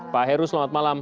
pak heru selamat malam